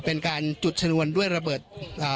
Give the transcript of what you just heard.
เป็นการจุดชนวนด้วยระเบิดอ่า